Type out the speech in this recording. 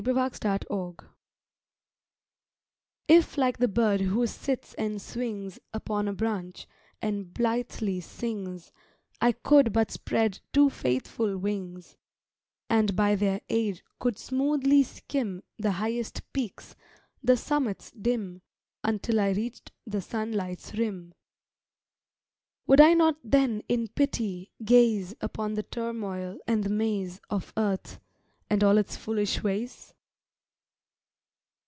IF LIKE THE BIRD If like the bird who sits and swings Upon a branch, and blithely sings, I could but spread two faithful wings, And by their aid could smoothly skim The highest peaks, the summits dim, Until I reached the sunlight's rim, Would I not then in pity gaze Upon the turmoil and the maze Of earth, and all its foolish ways?